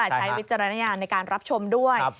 ใช้วิจารณญาณในการรับชมด้วย